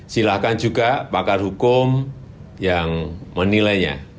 silahkan juga pakar hukum yang menilainya